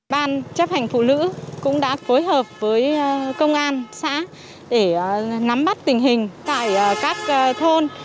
ban chấp hành phụ nữ cũng đã phối hợp với công an xã để nắm bắt tình hình tại các thôn